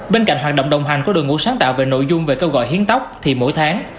bên cạnh hoạt động đồng hành của đội ngũ sáng tạo về nội dung về kêu gọi hiến tóc thì mỗi tháng